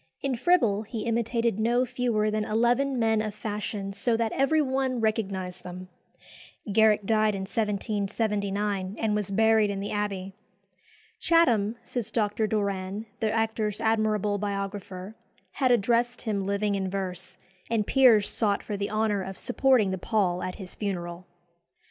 In Fribble he imitated no fewer than eleven men of fashion so that every one recognised them. Garrick died in 1779, and was buried in the Abbey. "Chatham," says Dr. Doran, the actor's admirable biographer, "had addressed him living in verse, and peers sought for the honour of supporting the pall at his funeral."